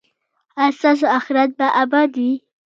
ایا ستاسو اخرت به اباد وي؟